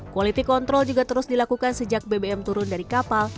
quality control juga terus dilakukan sejak bbm turun dari kapal